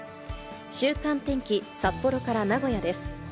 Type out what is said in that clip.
週間天気、札幌から名古屋です。